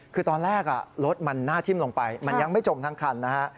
คือตอนแรกรถมันหน้าทิ้มลงไปมันยังไม่จมทั้งคันนะฮะ